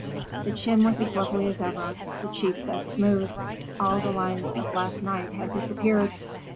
The chin was as lovely as ever, the cheeks as smooth. All the lines of last night had disappeared.